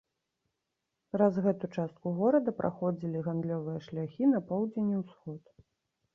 Праз гэту частку горада праходзілі гандлёвыя шляхі на поўдзень і ўсход.